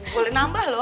boleh nambah lho